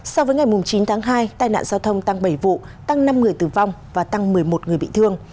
so với ngày chín tháng hai tai nạn giao thông tăng bảy vụ tăng năm người tử vong và tăng một mươi một người bị thương